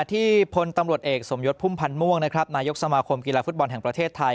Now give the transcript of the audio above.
ที่พลตำรวจเอกสมยศพุ่มพันธ์ม่วงนะครับนายกสมาคมกีฬาฟุตบอลแห่งประเทศไทย